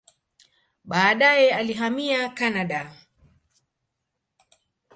Baadaye alihamia Kanada.